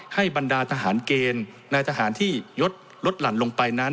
บรรดาทหารเกณฑ์นายทหารที่ยดลดหลั่นลงไปนั้น